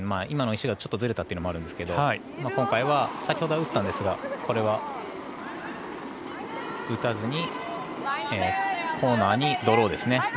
今の石がちょっとずれたのもあるんですけど先ほどは打ったんですが今回は打たずにコーナーにドローですね。